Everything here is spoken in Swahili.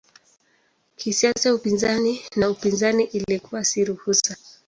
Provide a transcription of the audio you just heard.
Kisiasa upinzani na upinzani ilikuwa si ruhusa.